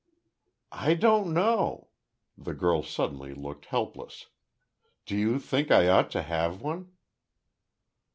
"I don't know," the girl suddenly looked helpless. "Do you think I ought to have one?"